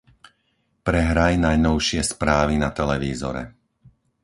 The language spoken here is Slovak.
Prehraj najnovšie správy na televízore.